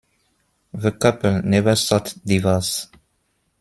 The couple never sought divorce.